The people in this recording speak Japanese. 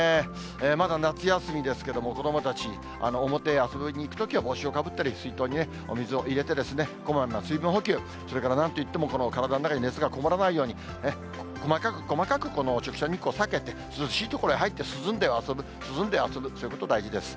まだ夏休みですけれども、子どもたち、表に遊びに行くときは帽子をかぶったり、水筒にお水を入れて、こまめな水分補給、それからなんといっても、体の中に熱がこもらないように、細かく細かく直射日光を避けて、涼しい所に入って、涼んでは遊ぶ、涼んでは遊ぶ、そういうことが大事です。